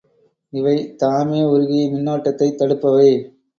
இவை தாமே உருகி மின்னோட்டத்தைத் தடுப்பவை.